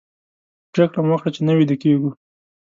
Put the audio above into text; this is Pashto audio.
پرېکړه مو وکړه چې نه ویده کېږو.